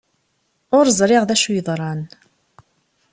Ur ẓriɣ d acu yeḍran.